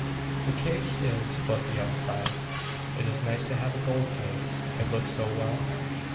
The case is but the outside. It is nice to have a gold case, it looks so well.